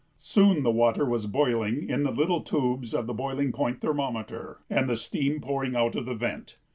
Soon the water was boiling in the little tubes of the boiling point thermometer and the steam pouring out of the vent.